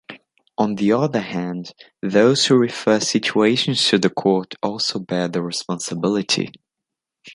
On the other hand, those who refer situations to the Court also should bear the responsibility.